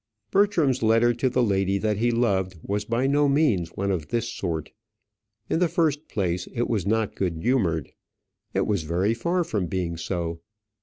Bertram's letter to the lady that he loved was by no means one of this sort. In the first place, it was not good humoured; it was very far from being so.